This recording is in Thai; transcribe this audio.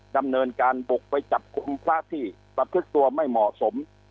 ดำเนินการบุกไปจับกลุ่มพระที่ประพฤกตัวไม่เหมาะสม